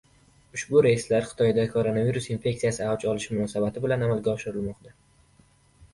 "Ushbu reyslar Xitoyda koronavirus infektsiyasi avj olishi munosabati bilan amalga oshirilmoqda.